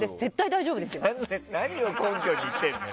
何を根拠に言ってんのよ。